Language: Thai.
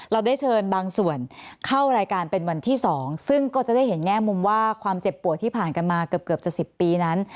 เราได้เชิญบางส่วนเข้ารายการเป็นวันที่๒ซึ่งก็จะได้เห็นแง่มุมว่าความเจ็บปวดที่ผ่านกันมาเกือบจะ๑๐ปีนั้น